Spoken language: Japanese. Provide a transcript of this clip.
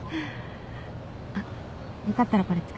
あっよかったらこれ使ってください。